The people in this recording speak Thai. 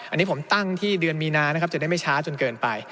อันนี้ผมตั้งที่เดือนมีนานะครับจะได้ไม่ช้าจนเกินไป